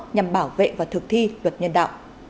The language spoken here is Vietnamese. nhằm bảo vệ và tham gia